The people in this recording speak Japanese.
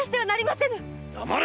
黙れ！